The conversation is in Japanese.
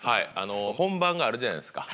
本番があるじゃないですか。